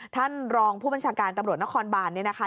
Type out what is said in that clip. ท่านรองผู้บัญชาการตำรวจนครบานเนี่ยนะคะ